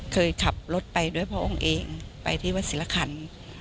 เคยขับรถไปด้วยพระองค์เองไปที่วัดศิลคัน